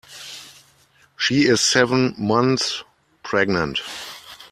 She is seven months pregnant.